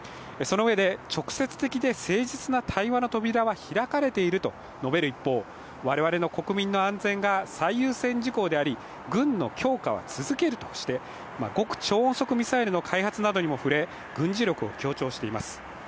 その上で直接的で誠実な対話の扉は開かれていると述べる一方我々の国民の安全が最優先事項であり軍の強化は続けるとして極超音速ミサイルの開発に触れ、軍事力を強調しています。